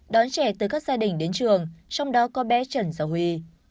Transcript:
đón trẻ từ các gia đình đến trường trong đó có bé trần giao huy